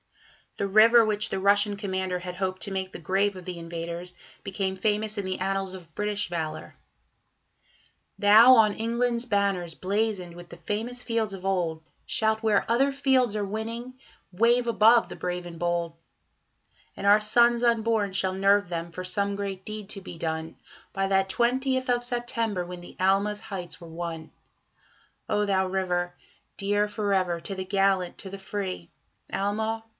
The river which the Russian commander had hoped to make the grave of the invaders became famous in the annals of British valour: Thou, on England's banners blazoned with the famous fields of old, Shalt, where other fields are winning, wave above the brave and bold; And our sons unborn shall nerve them for some great deed to be done, By that twentieth of September, when the Alma's heights were won. O thou river! dear for ever to the gallant, to the free, Alma!